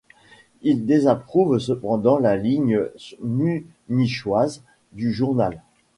Il désapprouve cependant la ligne munichoise du journal.